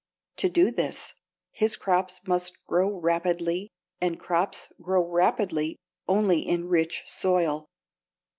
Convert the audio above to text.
To do this, his crops must grow rapidly, and crops grow rapidly only in rich soil.